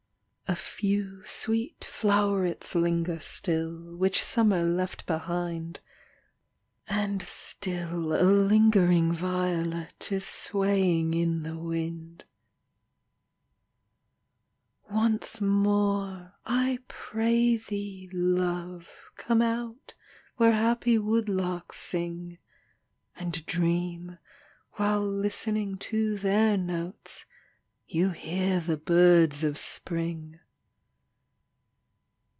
AN AUTUMN INVITATION. 115 A few sweet flow'rets linger still, Which Summer left behind ; And still a lingering violet Is swaying in the wind. Once more, I pray thee, love, come out, Where happy woodlarks sing, And dream, while listening to their notes, You hear the birds of Spring.